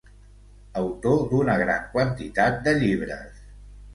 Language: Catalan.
Autor d'una gran quantitat de llibres.